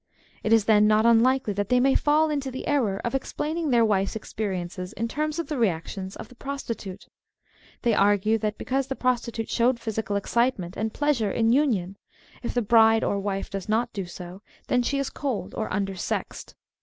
It is then not unlikely that they may fall into the error of explaining their wife's experi ences in terms of the reactions of the prostitute. They argue that, because the prostitute showed physical excitement and pleasure in union, if the bride or wife does not do so, then she is " cold " or " under sexed."